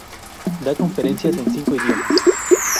Da conferencias en cinco idiomas.